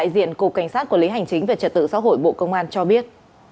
đại diện cục cảnh sát quản lý hành chính về trật tự xã hội bộ công an cho biết